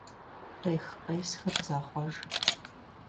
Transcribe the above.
Къех-къесхэм захъуэж.